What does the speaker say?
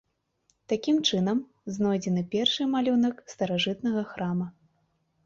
Такім чынам, знойдзены першы малюнак старажытнага храма.